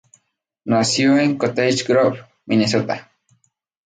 Nació in Cottage Grove, Minnesota.